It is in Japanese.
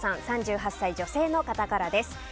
３８歳、女性の方からです。